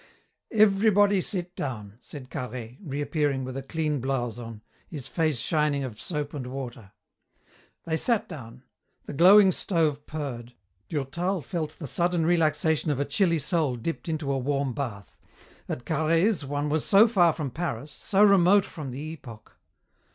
"Everybody sit down," said Carhaix, reappearing with a clean blouse on, his face shining of soap and water. They sat down. The glowing stove purred. Durtal felt the sudden relaxation of a chilly soul dipped into a warm bath: at Carhaix's one was so far from Paris, so remote from the epoch....